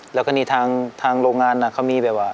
แล้วก็นี่ทางโรงงานเขามีแบบว่า